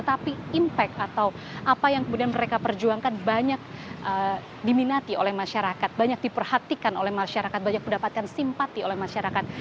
dan ini bisa menjadi impact atau apa yang kemudian mereka perjuangkan banyak diminati oleh masyarakat banyak diperhatikan oleh masyarakat banyak mendapatkan simpati oleh masyarakat